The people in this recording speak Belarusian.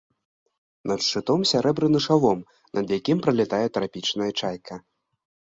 Над шчытом сярэбраны шалом, над якім пралятае трапічная чайка.